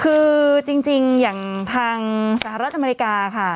คือจริงอย่างทางสหรัฐอเมริกาค่ะ